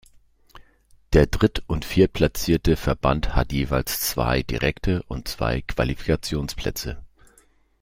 Der dritt- und viertplatzierte Verband hat jeweils zwei direkte und zwei Qualifikationsplätze.